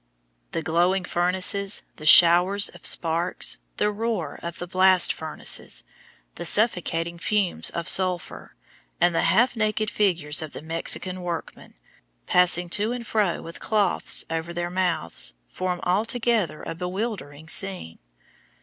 The glowing furnaces, the showers of sparks, the roar of the blast furnaces, the suffocating fumes of sulphur, and the half naked figures of the Mexican workmen, passing to and fro with cloths over their mouths, form all together a bewildering scene.